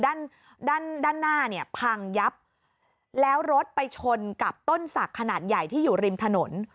ด้านด้านด้านหน้าเนี่ยพังยับแล้วรถไปชนกับต้นศักดิ์ขนาดใหญ่ที่อยู่ริมถนน